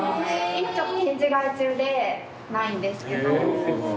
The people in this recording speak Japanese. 今ちょっと展示替え中でないんですけど。